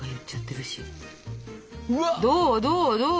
どうどうどう？